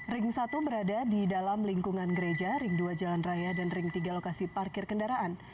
ring satu berada di dalam lingkungan gereja ring dua jalan raya dan ring tiga lokasi parkir kendaraan